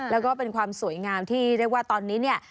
แล้วก็เป็นความสวยงามที่เรียกว่าตอนนี้เนี่ย